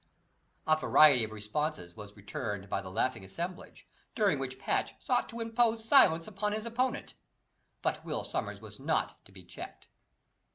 A variety of responses were returned by the laughing assemblage, during which Patch sought to impose silence upon his opponent. But Will Sommers was not to be checked.